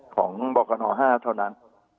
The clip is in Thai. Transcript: ของบรกฐานห่อ๕เท่านั้น